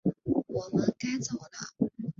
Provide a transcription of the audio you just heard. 我们该走了